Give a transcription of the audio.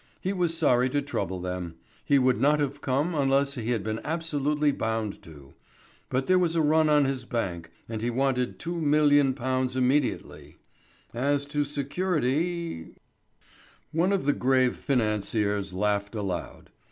He was sorry to trouble them: he would not have come unless he had been absolutely bound to. But there was a run on his bank, and he wanted £2,000,000 immediately. As to security One of the grave financiers laughed aloud.